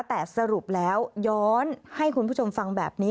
แต่สรุปแล้วย้อนให้คุณผู้ชมฟังแบบนี้